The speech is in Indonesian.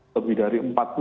lebih dari empat puluh